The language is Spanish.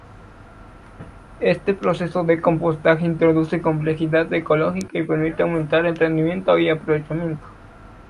Este proceso de compostaje introduce complejidad ecológica y permite aumentar el rendimiento y aprovechamiento.